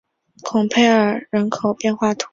孔佩尔人口变化图示